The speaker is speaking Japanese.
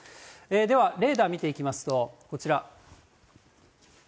では、レーダー見ていきますと、こちら。